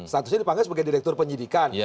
status ini dipanggil sebagai direktur penyidikan